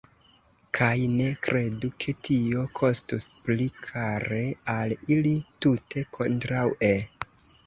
Kaj ne kredu, ke tio kostus pli kare al ili: tute kontraŭe!